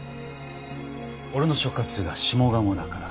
俺の所轄が下鴨だから。